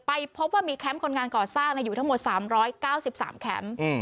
พบว่ามีแคมป์คนงานก่อสร้างอยู่ทั้งหมด๓๙๓แคมป์